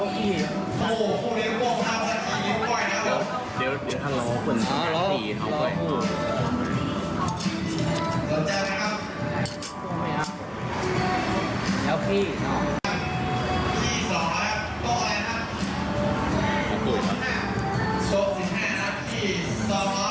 ขี้โต๊ะ๑๕นาที๒๐๐บาท